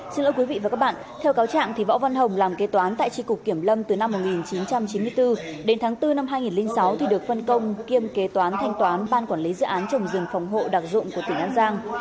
xin lỗi và cáo trạng võ văn hồng làm kế toán tại tri cục kiểm lâm từ năm một nghìn chín trăm chín mươi bốn đến tháng bốn năm hai nghìn sáu thì được phân công kiêm kế toán thanh toán ban quản lý dự án trồng rừng phòng hộ đặc dụng của tỉnh an giang